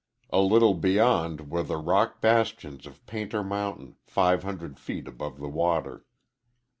A little beyond were the rock bastions of Painter Mountain, five hundred' feet above the water.